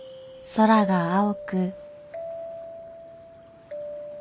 空が青く。